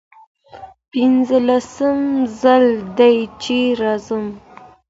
پنځلسم ځل دی چې راځم.